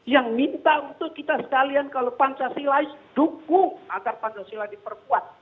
yang minta untuk kita sekalian kalau pancasilais dukung agar pancasila diperkuat